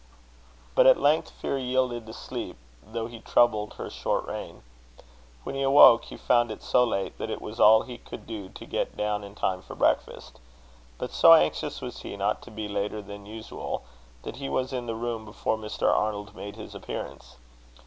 But at length fear yielded to sleep, though still he troubled her short reign. When he awoke, he found it so late, that it was all he could do to get down in time for breakfast. But so anxious was he not to be later than usual, that he was in the room before Mr. Arnold made his appearance.